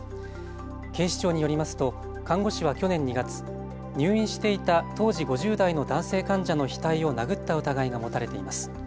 警視庁によりますと看護師は去年２月、入院していた当時５０代の男性患者の額を殴った疑いが持たれています。